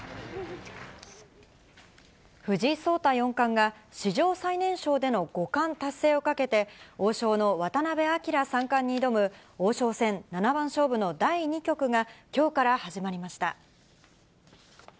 藤井聡太四冠が、史上最年少での五冠達成をかけて、王将の渡辺明三冠に挑む、王将戦七番勝負の第２局が、きょうから始まりました。